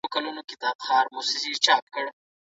دا پوهنې په خپل منځ کي ښکاره توپیرونه لري.